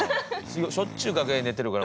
しょっちゅう楽屋で寝てるから。